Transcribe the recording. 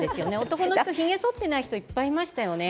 男の人、ひげそってない人いっぱいいましたよね。